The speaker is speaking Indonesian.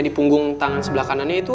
di punggung tangan sebelah kanannya itu